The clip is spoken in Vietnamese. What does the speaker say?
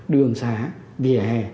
đường xá vỉa hè